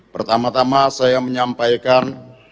pertama tama saya menyampaikan